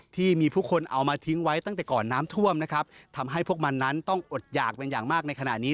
ที่มีผู้คนเอามาทิ้งไว้ตั้งแต่ก่อนน้ำท่วมนะครับทำให้พวกมันนั้นต้องอดหยากเป็นอย่างมากในขณะนี้